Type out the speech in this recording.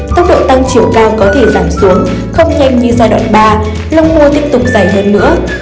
tốc độ tăng chiều cao có thể giảm xuống không nhanh như giai đoạn ba lông mô tiếp tục dày hơn nữa